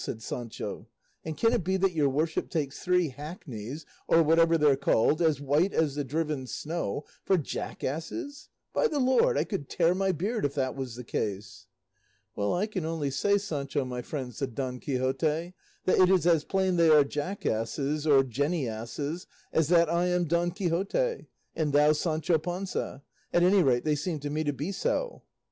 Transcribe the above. said Sancho, "and can it be that your worship takes three hackneys or whatever they're called as white as the driven snow, for jackasses? By the Lord, I could tear my beard if that was the case!" "Well, I can only say, Sancho, my friend," said Don Quixote, "that it is as plain they are jackasses or jennyasses as that I am Don Quixote, and thou Sancho Panza: at any rate, they seem to me to be so."